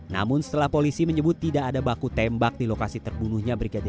namun setelah polisi menyebut tidak ada baku tembak di lokasi terbunuhnya brigadir